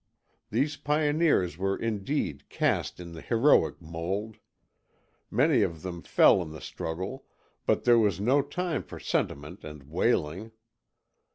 These pioneers were indeed cast in the heroic mold. Many of them fell in the struggle; but there was no time for sentiment and wailing.